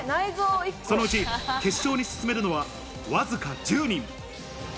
そのうち決勝に進めるのはわずか１０人。